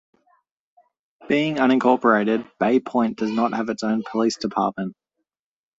Being unincorporated, Bay Point does not have its own police department.